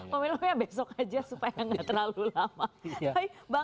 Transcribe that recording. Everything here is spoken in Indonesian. pemilunya besok aja supaya nggak terlalu lama